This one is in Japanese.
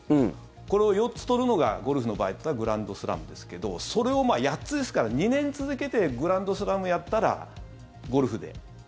これを４つ取るのがゴルフの場合だったらグランドスラムですけどそれを８つですから２年続けてグランドスラムやったらゴルフで。